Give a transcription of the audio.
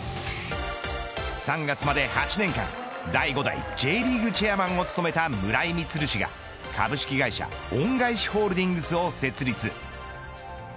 ３月まで８年間、第５代Ｊリーグチェアマンを務めた村井満氏が、株式会社恩返しホールディングスを設立。